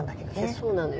そうなのよ